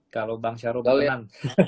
kalau bang syarul benar